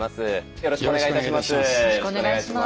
よろしくお願いします。